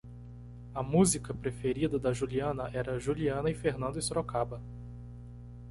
A música preferida da Juliana era Juliana e Fernando e Sorocaba.